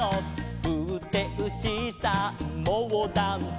「ふってうしさんモーダンス」